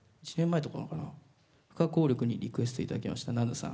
「不可幸力」にリクエストいただきましたなぬさん。